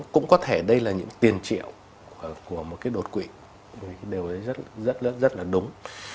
cũng có thể đây là những tiền triệu của một cái đột quỵ điều đó rất là đúng